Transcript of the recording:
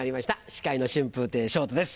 司会の春風亭昇太です